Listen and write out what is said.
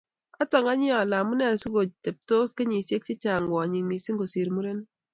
Atanganyi ale amune sikotebtos kenyisiek chechang kwonyik missing kosir murenik